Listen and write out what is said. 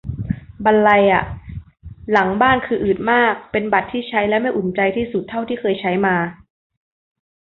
บรรลัยอะ หลังบ้านคืออืดมาก เป็นบัตรที่ใช้แล้วไม่อุ่นใจที่สุดเท่าที่เคยใช้มา